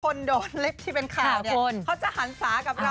คนโดนเล็บที่เป็นข่าวเขาจะหันสากับเราหรือเปล่า